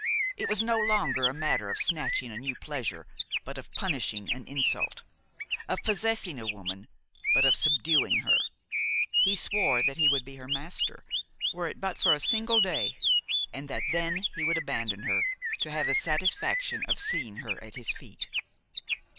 It was no longer a matter of snatching a new pleasure, but of punishing an insult; of possessing a woman, but of subduing her. He swore that he would be her master, were it for but a single day, and that then he would abandon her, to have the satisfaction of seeing her at his feet.